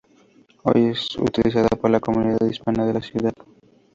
Hoy es utilizada por la comunidad hispana de la ciudad.